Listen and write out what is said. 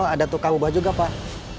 ada tukang ubah juga pak